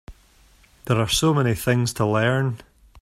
There are so many things to learn.